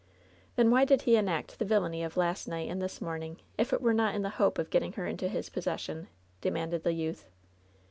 "Then why did he enact the villainy of last night and this morning if it were not in the hope of getting her into his possession ?" demanded the youth.